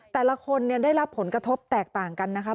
แต่ละคนได้รับผลกระทบแตกต่างกันนะคะ